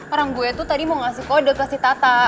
orang gue tuh tadi mau ngasih kode kasih tata